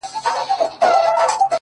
زړه دودومه زړه د حُسن و لمبو ته سپارم _